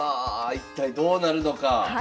一体どうなるのか。